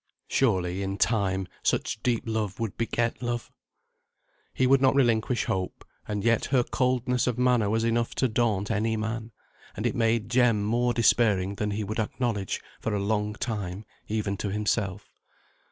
Surely, in time, such deep love would beget love. He would not relinquish hope, and yet her coldness of manner was enough to daunt any man; and it made Jem more despairing than he would acknowledge for a long time even to himself.